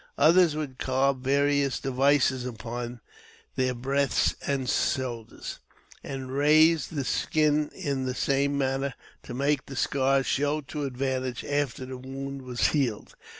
Others would carve. various devices upon their breasts and shoulders, and raise th^l skin in the same manner, to make the scars show to advantage* i after the wound was healed.